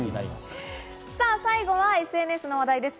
最後はＳＮＳの話題です。